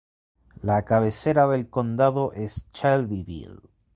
La cabecera del condado es Shelbyville.